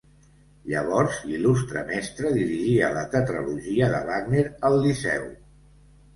Llavors l'il·lustre mestre dirigia la tetralogia de Wagner al Liceu.